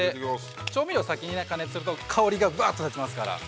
調味料を先に加熱すると香りがばっと立ちますから。